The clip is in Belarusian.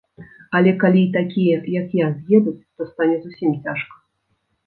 Але калі і такія, як я, з'едуць, то стане зусім цяжка.